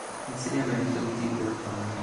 Insediamento di tipo urbano